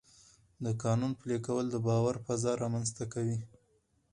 د قانون پلي کول د باور فضا رامنځته کوي